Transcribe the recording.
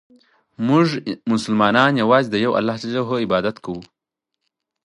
مونږ مسلمانان یوازې د یو الله ج عبادت کوو.